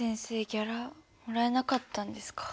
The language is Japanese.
ギャラもらえなかったんですか。